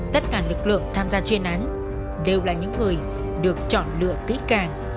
tất cả lực lượng tham gia chuyên án đều là những người được chọn lựa kỹ càng